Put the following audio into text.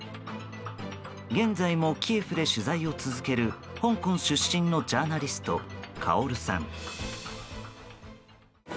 現在も、キエフで取材を続ける香港出身のジャーナリストカオルさん。